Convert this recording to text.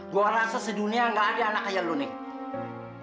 gua rasa sedunia nggak ada anak kayak lu nih